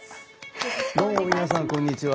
どうも皆さんこんにちは。